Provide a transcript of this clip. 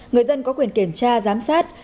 người dân có quyền kiểm tra giám sát